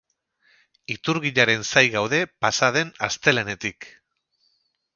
Iturginaren zain gaude pasa den astelehenetik.